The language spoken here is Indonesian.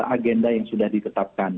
agenda yang sudah diketapkan